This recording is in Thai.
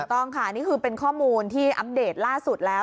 ต้องค่ะนี่คือเป็นข้อมูลที่อัปเดตล่าสุดแล้ว